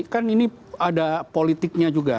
kan ini ada politiknya juga